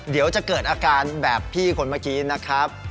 เดี๋ยวจะเกิดอาการแบบพี่คนเมื่อกี้นะครับ